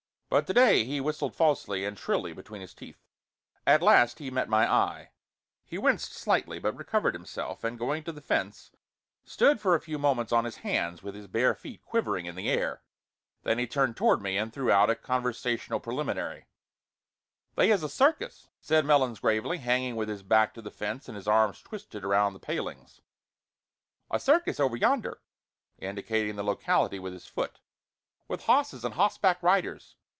But to day he whistled falsely and shrilly between his teeth. At last he met my eye. He winced slightly, but recovered himself, and going to the fence, stood for a few moments on his hands, with his bare feet quivering in the air. Then he turned toward me and threw out a conversational preliminary: "They is a cirkis" said Melons gravely, hanging with his back to the fence and his arms twisted around the palings "a cirkis over yonder!" indicating the locality with his foot "with hosses and hossback riders.